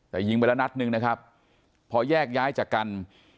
แต่ยิงไปแล้วนัดหนึ่งนะครับพอแยกย้ายจากกัน